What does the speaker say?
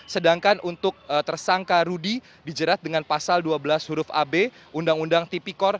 sedangkan untuk tersangka rudy dijerat dengan pasal dua belas huruf ab undang undang tipikor